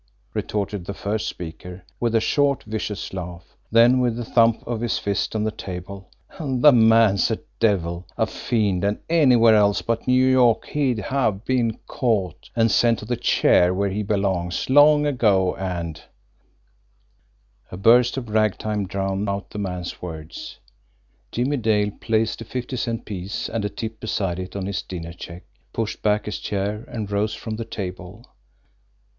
retorted the first speaker, with a short, vicious laugh; then, with a thump of his fist on the table: "The man's a devil, a fiend, and anywhere else but New York he'd have been caught and sent to the chair where he belongs long ago, and " A burst of ragtime drowned out the man's words. Jimmie Dale placed a fifty cent piece and a tip beside it on his dinner check, pushed back his chair, and rose from the table.